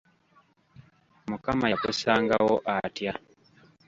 Mukama yakusanga wo atya?